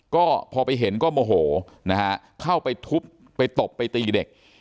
ก็พอไปเห็นก็โมโหนะฮะเข้าไปทุบไปตบไปตีเด็ก